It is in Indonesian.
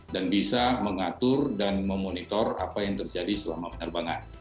dan bisa mengatur dan memonitor apa yang terjadi selama penerbangan